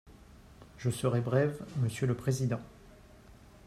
Je serai brève, monsieur le président.